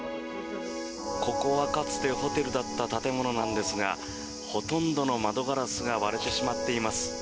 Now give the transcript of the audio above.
ここはかつてホテルだった建物なんですがほとんどの窓ガラスが割れてしまっています。